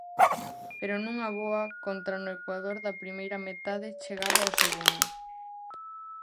Pero nunha boa contra no ecuador da primeira metade chegaba o segundo.